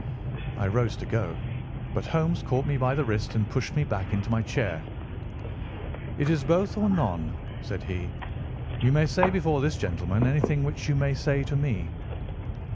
I rose to go, but Holmes caught me by the wrist and pushed me back into my chair. "It is both, or none," said he. "You may say before this gentleman anything which you may say to me."